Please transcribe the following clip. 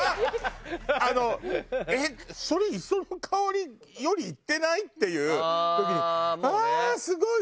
あの「えっそれ磯の香りよりいってない？」っていう時に「ああーすごい！